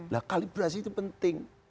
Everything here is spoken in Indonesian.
nah kalibrasi itu penting